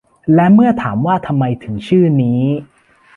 และเมื่อถามว่าทำไมถึงชื่อนี้